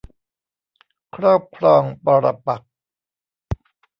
ครอบครองปรปักษ์